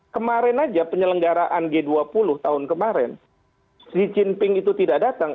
kemarin aja penyelenggaraan g dua puluh tahun kemarin xi jinping itu tidak datang